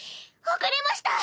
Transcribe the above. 遅れました。